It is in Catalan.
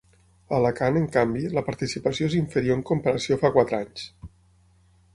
A Alacant, en canvi, la participació és inferior en comparació a fa quatre anys.